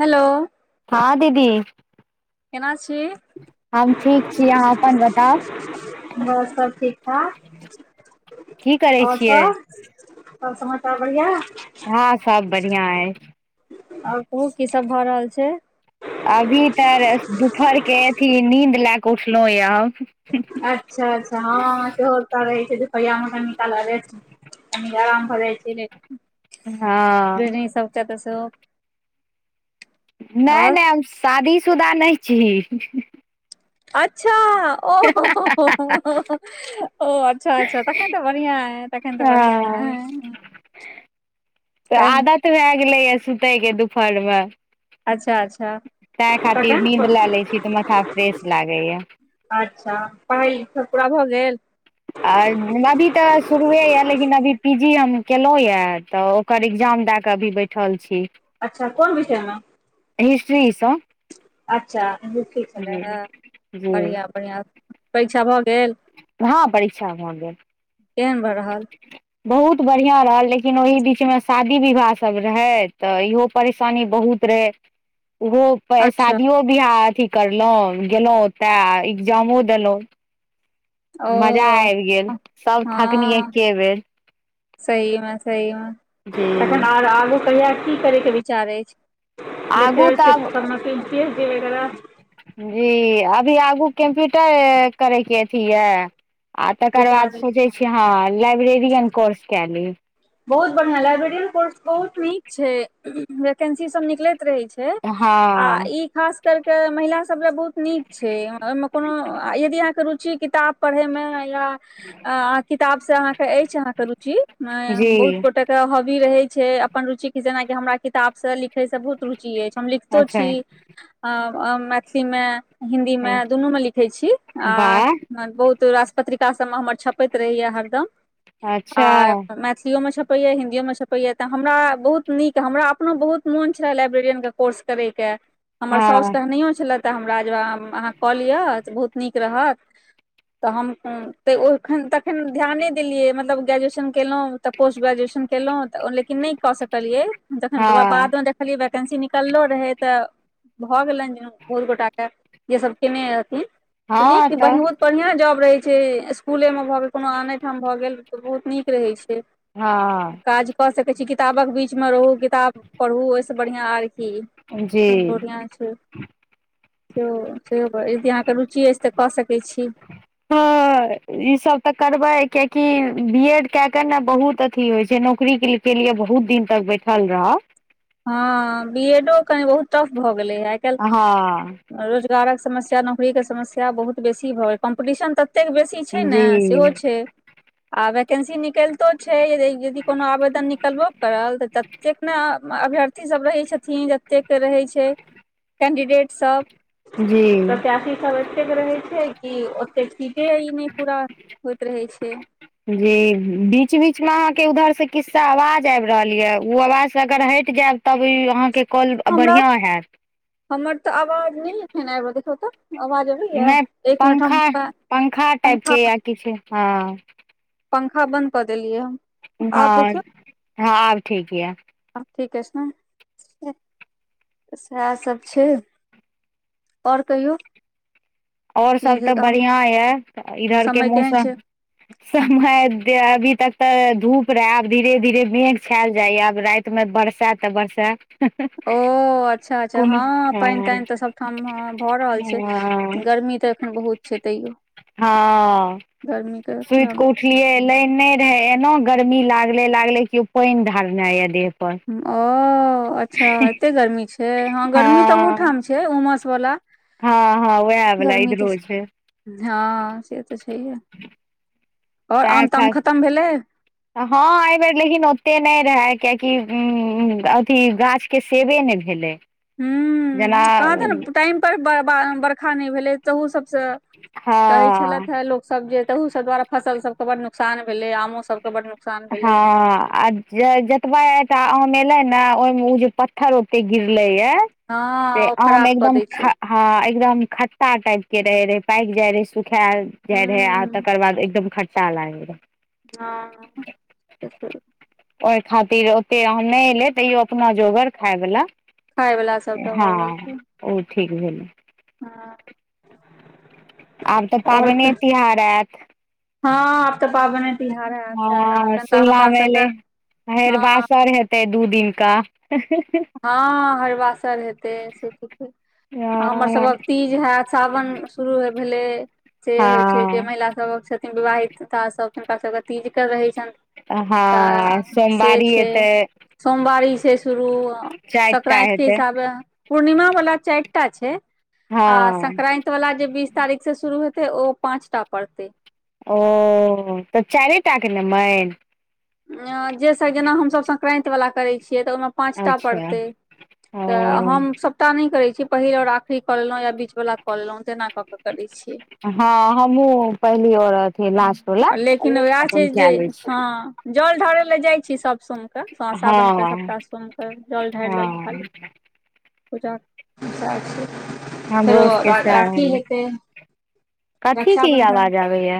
Hello हँ दीदी केना छी हम ठीक छी अहाँ अपन बताउ बस सब ठीक ठाक की करै छियैय सब आओर समाचार बढ़िआ हँं सब बढ़ियाँ अय आओर कहु की सब भए रहल छै अभी तऽ दुपहर के अथी नींद लए कऽ उठलौं य हम। अच्छा अच्छा हँ सेहो रहै छै। दुफरिआमे कनिकाला रेसट कनि आराम भर जाइ छै। हँ जनी सब के त सेहो नै आओर नै हम शादीशुदा नै छी अच्छा ओ हो हो [unintelligible] ओ अच्छा अच्छा ताके तऽ बढीयाँ आत अखन त बारिया हँ अय तऽ आदत भए गेलैया सुतयके दुपहरमे अच्छा अच्छा ताहि खातिर तखन नींद लए लै छी। तऽ माथा फ्रेश लागै या अच्छा पढ़ाइ लिखाय पुरा भऽ गेल। आर नबी तऽ शुरुए यऽ लेकिन अभी पी जी हम केलौं यए तऽ ओकर एग्जाम दय क अभी बैठल छी। अच्छा कोन विषय मे। हिस्ट्री स। अच्छा [unintelligible] हे जी बढ़िआँ बढ़आँ परीक्षा भऽ गेल। हँ परीक्षा भ गेल। केहन भऽ रहल बहुत बढ़िआँ रहल। लेकिन ओहि बीचमे शादी विवाह सब रहै तऽ इहो परेशानी सब बहुत रहै ओ अच्छा शादियो बियाह अथी करलहु गेलहु ओतऽ इग्जामो देलहुँ। ओ मजा आबि गेल सभ थकनी एके बेर। सही मे सही मे जी तखन आगू कहि आ कि करै के विचार अछि। आगू लेक्चररशप तऽ आब पीसी वगैरह जी अभी आगू कम्प्यूटर करैके अथी या आ तकर बाद विचार अछि सोचैत छी। हँ लाइब्रेरियन कोर्स कए ल बहुत बढ़िया लाइब्रेरी कोर्स बहुत नीक छै। वैकेंसी सभ निकलैत रहे छै। हँ आई खास करा के महिलास सभ बहुत नीक छै। ओहिमे कोनो यदि अहाँकेँ रुचि किताब [unintelligible] जी बहुत गोटे के हबी रहे छै। अपन रुचि के जेनाकि हमरा किताब से लिखे से बहुत रुचि अछि हम लिखितो अच्छा छी। मैथिली मे हिन्दी मे दुनू मे लिखे छी आ वाह बहुत राज पत्रिका सब छप रहे या हारदम आ अच्छा मे ह मे छपैया हिन्दीमे छपैया। तऽ हमरा बहुत नीक हमरा अपनो बहुत मोन छल। को हम हमाँ हँ लऽ बहुत नीक ग्रहकऽ तऽ हम तऽ ओखन तखन ध्याने देलियै। मतलब ग्रेजुएशन केलहु तऽ पोस्ट ग्रेजुएशन केलहु तऽ लेकिन नहि कऽ सकलिय। जख हँ बाद खाली वैकेन्सी निकललो रहै त भऽ गेलनि जे बहुत गोटा के जे सभ केने अथि सु हँ नीक तऽ बढ़ित बढ़िआ जॉब रहैत छै। स्कूले मे भऽ गेल कोनो आनठाम भऽ गेल तऽ बहुत नीक रहै छै। हँ। काज कऽ सकै छी। किताबक बीचमे रहू किताब पढू ओहिस बढ़िआ आर कि जी खब बढ़िआ छै। से सेहो यदि अहाँकेँ रुचि अछि। तऽ कऽ सकैत छी। [inaudible] हँ ई सभ तऽ करबै। कियकि बी एड कऽ के ने बहुत अथी होई छै। नौकरी के लि। के लिए बहुत दिन तक बैठल रहब हा बी एडो के बहुत टफ भऽ गेलै या आइ हँ कैल्ह रोजगारकऽ समस्या नौकरी के समस्या बहुत बेसी भऽ गेल कम्पटीशन ततेक बेसी छै ने जी सेहो छै आ वैकेन्सी निकैलतो छै यदि कोनो आवेदन निकलबो करल तऽ ततेक नै अर्थी सभ रहै छथिन। जतेक रहै छै। कैडिडेट सभ जी प्रत्याश सभ एतेक के रहै छै। कि ओते ठीके ई नहि पूरा होइत रहै छै। जी बीच बीचमे अहाँकेँ ऊधरसँ किसा आवाज आबि रहल यऽ ओ आवाज अगर हटि जायब तब अहाँकेँ कल हमरा बढ़िआ होयैत। हमर तऽ आवाज नहि एखन एब देख हो तऽ। आवाज अबैया नहि एक मिनट हम पंखा कि छै हा पंखा बन्द कऽ देलियै ह हा हा ठीक यै और ठीके अैछ नै सएह सभ छै और कहियो और सभ तऽ बढ़िया या इधरके समय केहन छै मौसम समय अभी तक तऽ धूप रहे आब धीरे धीरे मेघ छेइल जाय आब रैत मे बरसेऽ तऽ बरसेऽ ओ अच्छा -अच्छा हैं पैन तैन तऽ सभठाम ह भऽ रहल छै गर्मी तऽ बहुत छै तैयो गर्मी के करा मे पिलियै नै नै रहे एना गर्मी लागले लागले कियो पैन ढ़ारने या देह पर ओ अच्छा एते गर्मी छै हैं गर्मी तऽ ओहुठाम छै उमस वाला ह ह व्याह वाला इधरो छै हा से तऽ छैहे और आम- ताम खतम भेलै ह एहिबेर लेकिन ओते नैय रहे कियाकि अथी गाछ के सेबे नै भेले हू कहाँ दिन टाइम पर बर्खा नै भेलै ताहू सभ स कहै हँ छेलैथ हे लोक सभ जे तहौ सब दुआरे फसल सभके बड़ नुकसान भेलै आम हा आ। जे जतबा एटा आम एलैन ओहिमे जे पत्थर ओते गिरले ये से हँ ओ आम खराब कऽ एकदम दै छै खा ह एकदम खट्टा टाइप के रहे रहे पाकि जाय रहे खायल जाए रहे आ हूँ तकर बाद एकदम खट्टा लागे रहै ह तऽ ओय खातिर ओतेए आम नै एलै तैयो अपना जोगर खाय वला वला सबटा हा भऽ उ ठीक भेलै ह आब तऽ पाबैने तिहार हा आब तऽ पाबै ने ह सिलामेले हेर हँ बासर हेत तैय दू दिन कऽ ह हैरबासर हेतै से ठीक हमर सभ के हँ तीज हे तऽ सावन शुरू भेले से होई छै जे हँ महिला सभ छथिन विवहिता हुनका सभ हिनका सभ के तीजके रहै छैन से सोमवारी छै एतै सोमवारी से शुरू चारि टा सक्रैत के हेतै हिसाबे पूर्णिमा वाला चैर टा छै आ हँ सक्रैत वाला जे बीस तारीख से शुरू हेतै ओ पाँचटा पड़तै ओ तऽ चैरेटाके ने मैन जे स जेना हम सभ सक्रैंत वाला करैय छियै तऽ ओहिमे पाॅंच टा अच्छा परतैय ओ तऽ हम सभ टा नहि करैत छी पहिल आओर आखिरी कऽ लेलहुँ या बीच वाला कऽ लेलहुँ तेना कऽ कऽ करैत छीयै। हँ हमहुँ पहिली आर अथि लास्ट वला लेकिन उएह अपन छैन जे कए लै छी हँ जल ढारय लऽ जाइ छी सभ सोम। के सा सावन के हँ सभटा सोमके जल ढैर लेलौ हँ खाली पूजा जाय छी। फेरो हमरो सबके सैह राखी होइये हेते रक्षाबन्धन आबेया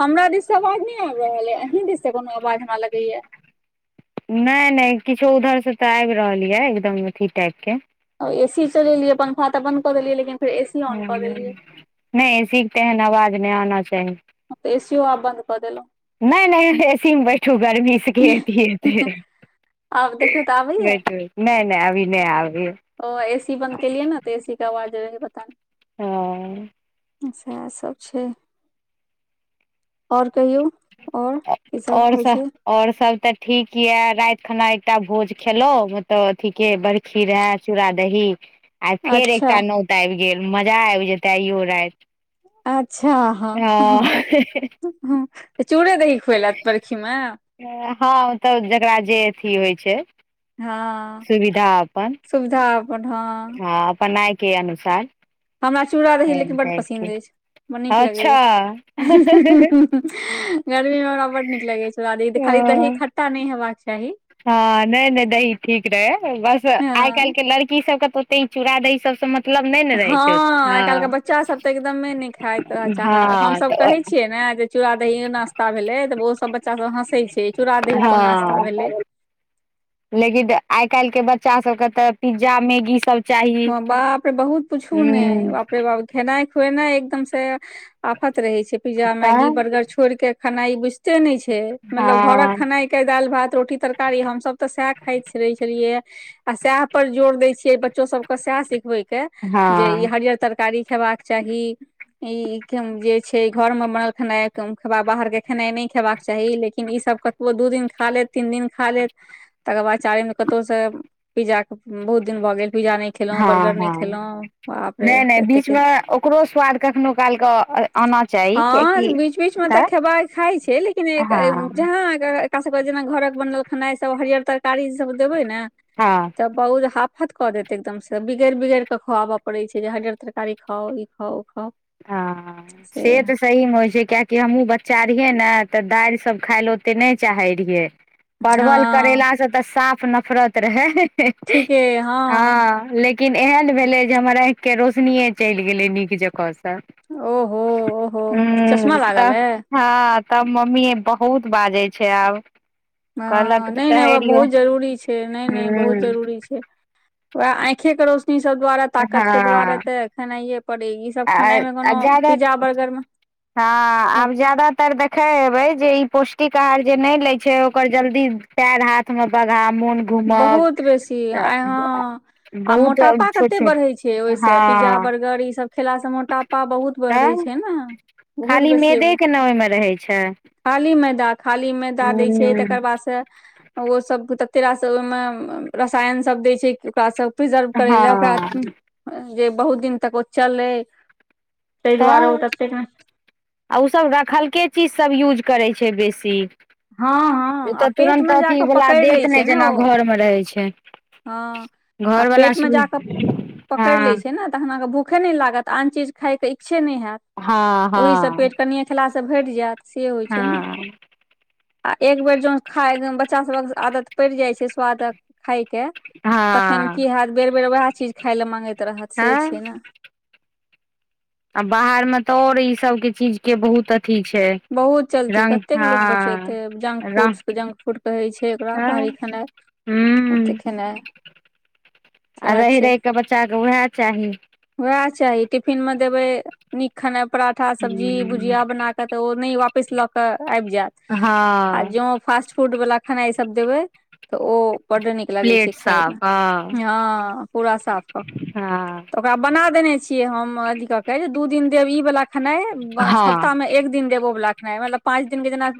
हमरा दिस से आवाज नहि अैबरहल अही दिस से कोनो आवाज हमरा लगैया नै नै किछो ऊधर से तऽ आबि रहल यऽ एकदम अथी टाइप के। एसी चलेलियै पंखा तऽ बन्द कऽ देलियै लेकिन फेर ए सी ऑन कऽ देलियै। नय ए सी केँ तऽ ऐहन आवाज नय आना चाही। हम तऽ एसीओ आब बन्द कऽ देलौ। नय - नय एसी मे बैठू गर्मी। [unintelligible] आब देखियौ तऽ आबैया नय - नय अभी नय आबै यऽ। ओ ए सी बन्द केलियै नऽ तऽ एसी कऽ आवाज रहै पता नय हँ हँ अच्छा सब छै। आओर कहियौ। आओर की सब होइ छै। आऔर सब तऽ ठीक यऽ राइत खना एकटा भोज खेलो मतलब अथी केँ बड़ खी रहै चूड़ा दही आइ फेर अच्छा एकटा नौत आइब गेल मजा आइब जेतैय आईयो राइत अच्छा हँ [unintelligible] तऽ चूड़े दही खुएलक बरखी मे। हँ तऽ जकरा जे अथी होइ छै। हँ सुविधा अपन। सुविधा अपन हँ। हँ अपनाय अनुसार हमरा चूड़ा दही टाइम लेकिन बड्ड ताइम पसिन्द के। अछि बड्ड नीक अच्छा लगैय हँ गर्मी मे हमरा बड्ड नीक लगे छै ओकरा दही खाली दही खट्टा नय हेबाक चाही। हँ नय नय दही ठीक रहै बस आइ हँ काइल केँ लड़की सबके तऽ तैँ चूड़ा दही सब सऽ मत हँ आइ काइल केँ बच्चासभ तऽ एकदमे नय खाइत चाहत हँ हमसभ तऽ कहैत छियै ने जे चूड़ा दही नास्ता भेले तऽ ओ सब बच्चा सब हँसै छै चूड़ा दही कोन नास्ता हँ भेले। लेकिन आइ काइल केँ बच्चा सबके तऽ पिज्जा मैगी सब चाही हँ बापरे बहुत पूछू नै हूं बाप रे बाप खेनाइ खुऐनाइ एकदम से आफत रहे छै पिज्जा, मैगी, तऽ बर्गर छोईड़ के खानाइ बुइझ ते नय छै मतलब घरक हँ खनाइ केँ दालि भात रोटी तरकारी हमस तऽ सएह खाइत रहे छलियै ये आ सएह पर जोर दय छियै बच्चो सबके सएह सिखबे के जे ई हँ हरियर तर कारी खेबाक चाही ई जे छै घर मऽ बनल खेनाय कम खेबाई बाहर केँ खेनाइ नय खेबाक चाही लेकिन ई सब कतबो दू दिन खा लेत तीन दिन खा लेत तकर बाद चारिम दिन कतहु से पिज्जा के बहुत दिन भऽ गेल पिजा नय खेलहुँ हँ बर्गर नय हँ खेलहुँ बाप रे नहि नहि एतेक बीचमे ओकरो स्वाद कखनो काल कऽ आना चाही। हँ कियाकि बीच बीच मे तऽ खेबा खाय छै लेकिन एक [unintelligible] हँ जहाॅं एकर ऐकरा सबके जेना घऽरक बनल खेनाइ सब हरियर तरकारी ई सब देबय ने हँ तऽ बहुत हाफत कऽ देत एकदम सँ तऽ बिगैर बिगैर कऽ खुआबऽ पड़ै छै जे हरडियर तरकारी खाउ ई खाउ उ खाउ हँ से तऽ सही मे होइ छै किआकी हमहुँ बच्चा रहियै नऽ तऽ दालि सब खाय ले ओते नम चाहे रहियै परवल हँ करेला सँ तऽ साफ नफ़रत रहै हँ लेकिन एहन भेलै जे हमर आँइख कऽ केँ रौशनीये चैल गेलै नीक जकाँ सँ ओहो ओहो चश्मा हूं तऽ लागल ऐ। हँ तब मम्मीये बहुत बाजै छै आब ह कहलक तऽ नय नय कहै ओ रहियौ बहुत जरूरी छै नय नय बहुत हूं जरूरी छै वएह आँखे के रोशनी सब द्वारे हँ ताकत के द्वारे ते खेनाईये पड़े ई सब खानाय मे आ कोनो जादा पिज्जा बर्गर में हँ आब जदातर देखै हेबै जे ई पौष्टिक आहार जे नय लै छै ओकर जल्दी पेर हाथ में बगहा मोन घूमब बहुत बेसी तऽ आइ हा आ बहुत मोटापा छोट कते छोट बढ़े छै ओइ से पिज्जा हँ बर्गर ई सब खेला से मोटापा मोटापा बहुत बढ़ै तऽ छै न बहुत खाली बेसी मेदे एगो के ने ओहिमे रहै छै खाली मैदा खाली मैदा दै छै हूं तकर बाद ओ सब ते तले रास ओइ मे रसायन सब दै छै ओकासँ प्रिजर्व करै लए ओकरा हँ जे बहुत दिन तक ओ चलै ताहि दुआरे ओ तऽ ततेक नै आ ओ सब रखलके चीज सब यूज करै छै बेसी हँ ओ हँ आ तऽ पेट तुरन्त मे जाकऽ अथीवला पकड़ि देत लै छै नय ने ओ जेना घरमे रहै छै हँ आ घरवला पेट मे सु जाकऽ पकड़ि हँ लै [inaudible] छै तखन अहां के भूखे नै लागत आन चीज खाई के इच्छे नै हालत हँ ओहो से हँ पेट कनिये खेला से भैर जायत से होइ छै ने हँ आ एक बेर जोन खााय बच्चा सभक आदत पैड़ जाइ छै स्वादक के तखन हँ की हात बेर बेर वएह चीज खाय लए माँगैत रहत से छै हँ न आ बाहर में तऽ और ई सब के चीज के बहुत अथी छै बहुत चलती रंग कतेक हँ लोक बचेतै जंक फूड रंग जंक फूड कहै छै ओकरा तऽ बाहरी खेनाइ ओत हूँ खेनाइ आ सएह रैह छै रैह कऽ बच्चा के उएह चाही वएह चाही टिफिन में देबे नीक खेनाइ पराठा सब्जी हूँ भुजिया बना के ओ नै वापस ल के आइब जायत आ हँ जं फास्ट फूड वला खेनाइ सब देबै तऽ ओ बड्ड नीक लगै छै प्लेट खाय साफ मे हँ पूरा साफ कऽ हँ ओकरा बना देने छियै हम अथी कऽ के जे दू दिन देब ई वला खेनाइ हँ सप्ताह मे एक दिन दिन देबो ओ वला खेनाइ मतलब पाँच दिन के जेना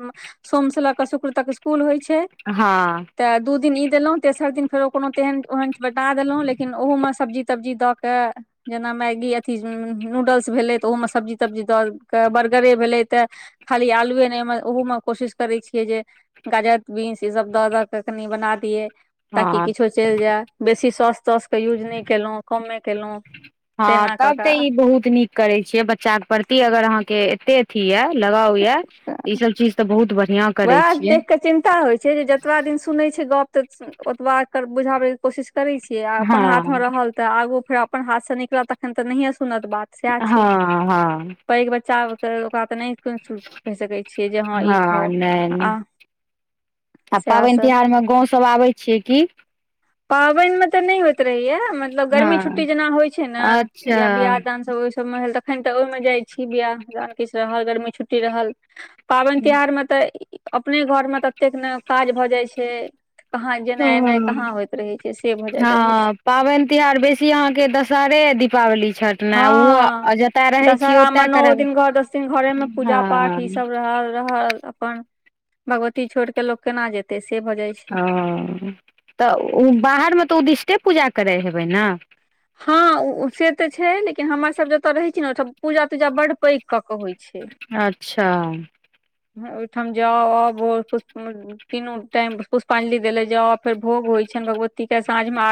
सोम से लऽ क शुक्र तक स्कुल होइ छै हँ तऽ दू दिन ई देलहुँ तेसर दिन फेरो कोनो तेहन ओहन बला देलहुँ लेकिन ओहु में सब्जी तब्जी दऽ तैं जेना मैगी अथी नूडल्स भेलै तऽ ओहो में सब्जी तब्जी दऽ क बर्गरे भेलै तऽ खाली आलुए नय ओहो मे कोशिश करै छियै जे गाजर बिंस ई सब दऽ द के कनि बना दियए हँ ताकि किछो चैल जाय बेसी शाॅस- ताॅस यूज नय केलो कमे केलो हँ तेना कऽ तब तऽ कऽ ई बहुत नीक करै छियै बच्चा के प्रति अगर अहाँ के एतेक अथी यए लगाव यए ई सभ चीज तऽ बहुत बढ़िआँ करै वएह छियै देख कऽ चिन्ता होइ छै छै जे जतबा दिन सुनै छै गप तऽ ओतबार बुझाबै कोशिश करै छियै आ अपन हाथमे हँ रहल तऽ आगू फेर अपन हाथसँ निकलत तखन तऽ नहियए सुनत बात सएह छै हँ हँ पैघ बच्चा के ओकरा तऽ नहि को कहि सकैत छियै जे ह ई हँ खाउ नहि आ आ सएह पाबनि सब तिहारमे गाव सभ आबै छियै कि पाबनि मे तऽ नहि होइत रहैया मतलब गर्मी हँ छुट्टी जेना होई छै ने अच्छा या बियाह दान सभ भेल तखन तऽ ओहिमे जाइ छी बियाह जान किछु रहल गर्मी छुट्टी रहल पाबनि तिहार मे तऽ अपने घरमे तऽ ततेक ने काज भऽ जाइत छै कहाँ जेनाई एनाई कहाँ होइत रहै छै से भऽ जाइत रहै छै हँ पाबनि तिहार बेसी अहाँके दशहरे दीपावली छठ ने हँ ओहो जतय रहै छियै दशहरा मे ओतय नओ करब दिन दस दिन घरमे पूजा पाठ हँ ई सभ रहल रहल अपन भगवती छोड़ के लोग केना जेते से भज ओ तऽ ओ बाहर मे तऽ उदिष्टे पूजा करै हेबे ने हँ से तऽ छै लेकिन हमर सभ जतय रहै छी ने ओ पूजा तूजा बड पैक कऽ के होई छै अच्छा। ओहिठाम जा आउ तीनू टाइम पुष्पांजलि देले जाउ फेर भोग होई छनि भगवती के साँझ मे आ